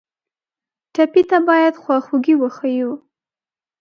ټپي ته باید خواخوږي وښیو.